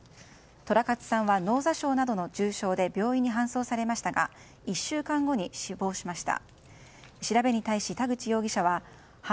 寅勝さんは脳挫傷などの重傷で病院に搬送されましたが１週間後に死亡しました。